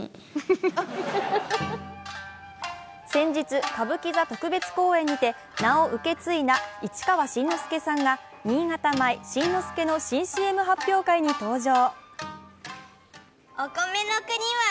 先日、歌舞伎座特別公演にて名を受け継いだ市川新之助さんが新潟米・新之助の新ＣＭ発表会に登場。